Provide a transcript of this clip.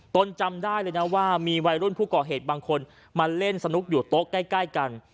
ตนจำได้เลยนะว่ามีวัยรุ่นผู้ก่อเหตุบางคนมาเล่นสนุกอยู่โต๊ะใกล้กัน